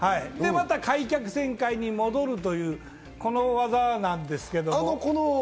また開脚旋回に戻るというこの技なんですが。